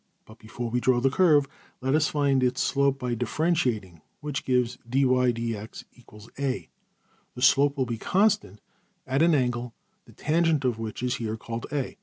But before we draw the curve, let us find its slope by differentiating; which gives $\dfrac{dy}{dx} = a$. The slope will be constant, at an angle, the tangent of which is here called~$a$.